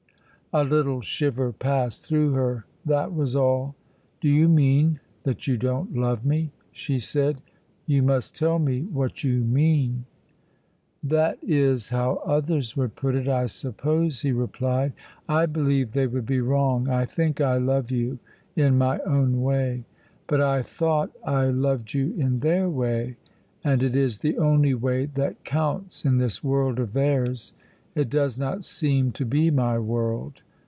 A little shiver passed through her, that was all. "Do you mean that you don't love me?" she said. "You must tell me what you mean." "That is how others would put it, I suppose," he replied. "I believe they would be wrong. I think I love you in my own way; but I thought I loved you in their way, and it is the only way that counts in this world of theirs. It does not seem to be my world.